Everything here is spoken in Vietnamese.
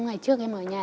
ngày trước em ở nhà